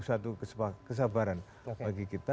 satu kesabaran bagi kita